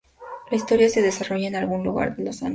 La historia se desarrolla en algún lugar de los Andes.